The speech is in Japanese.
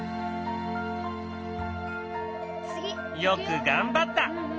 よく頑張った！